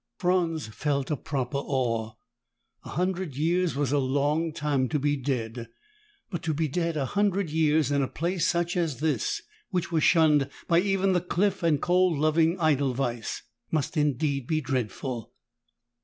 Franz felt a proper awe. A hundred years was a long time to be dead. But to be dead a hundred years in a place such as this, which was shunned by even the cliff and cold loving edelweiss, must indeed be dreadful!